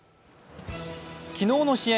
昨日の試合